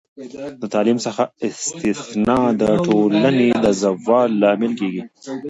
د تعلیم څخه استثنا د ټولنې د زوال لامل کیږي.